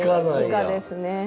イカですね。